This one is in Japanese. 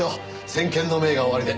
先見の明がおありで。